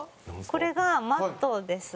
これがマットです。